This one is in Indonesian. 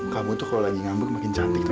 kamu tuh kalau lagi ngambek makin cantik tuh